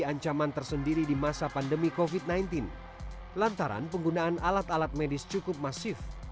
ancaman tersendiri di masa pandemi kofit sembilan belas lantaran penggunaan alat alat medis cukup masif